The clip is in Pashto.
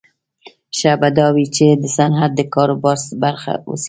ښه به دا وي چې د صنعت د کاروبار برخه وڅېړو